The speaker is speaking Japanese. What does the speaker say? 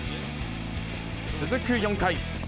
続く４回。